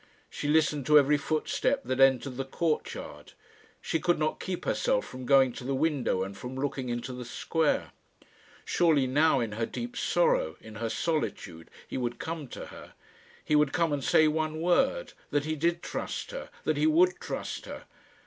She listened to every footstep that entered the courtyard. She could not keep herself from going to the window, and from looking into the square. Surely now, in her deep sorrow, in her solitude, he would come to her. He would come and say one word that he did trust her, that he would trust her!